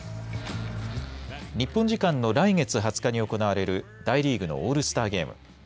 日本時間の来月２０日に行われる大リーグのオールスターゲーム。